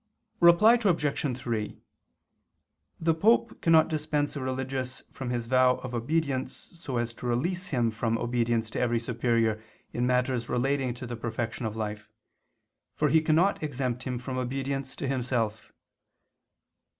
Reply Obj. 3: The Pope cannot dispense a religious from his vow of obedience so as to release him from obedience to every superior in matters relating to the perfection of life, for he cannot exempt him from obedience to himself.